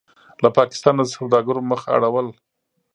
له پاکستانه د سوداګرۍ مخ اړول: